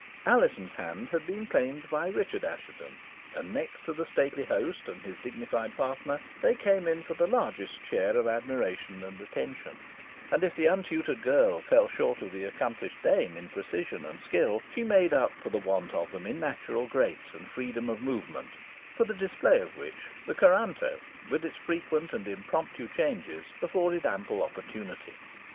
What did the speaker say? Alizon's hand had been claimed by Richard Assheton, and next to the stately host and his dignified partner, they came in for the largest share of admiration and attention; and if the untutored girl fell short of the accomplished dame in precision and skill, she made up for the want of them in natural grace and freedom of movement, for the display of which the couranto, with its frequent and impromptu changes, afforded ample opportunity.